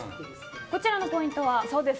こちらのポイントは？